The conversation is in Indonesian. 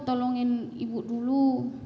tolongin ibu dulu